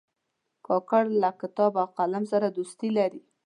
کاکړ له کتاب او قلم سره دوستي لري.